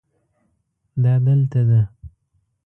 دا دلته ده